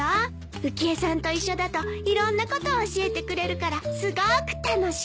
浮江さんと一緒だといろんなことを教えてくれるからすごーく楽しい。